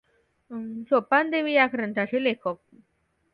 सोपानदेवी या ग्रंथांचे लेखक.